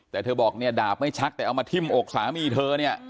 แต่เธอบอกดาบไม่ชักแต่เอามาทิ่มอกสามีเธอ